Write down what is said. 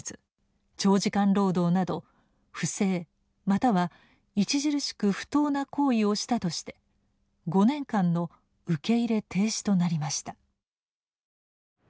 長時間労働など「不正又は著しく不当な行為をした」として５年間の受け入れ停止となりました。